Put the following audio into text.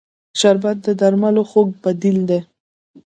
شربت د درملو خوږ بدیل دی